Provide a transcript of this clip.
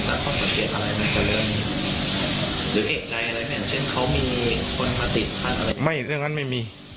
หรือเอกใจอะไรมันเนี้ยเช่นเขามีคนพาติดท่านอะไรไม่เรื่องนั้นไม่มี